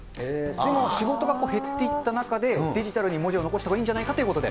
でも、仕事が減っていった中で、デジタルに文字を残したほうがいいんじゃないかということで。